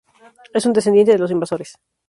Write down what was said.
Es un descendiente de los invasores